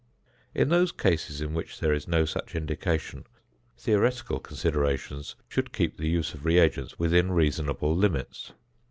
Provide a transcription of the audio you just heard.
In those cases in which there is no such indication, theoretical considerations should keep the use of reagents within reasonable limits.